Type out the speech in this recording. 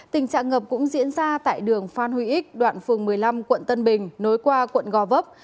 tình trạng ngập cũng diễn ra tại đường phan huy ích đoạn phường một mươi năm quận tân bình nối qua quận gò vấp